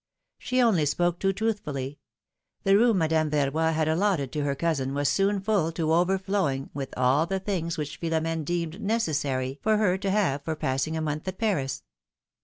She only spoke too truthfully. The room Madame Verroy had allotted to her cousin w^as soon full to over flowing with all the things which Philomene deemed necessary fi^r her to have for passing a month at Paris.